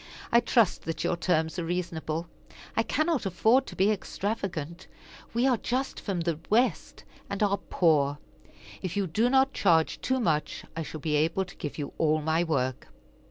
I trust that your terms are reasonable. I cannot afford to be extravagant. We are just from the West, and are poor. If you do not charge too much, I shall be able to give you all my work."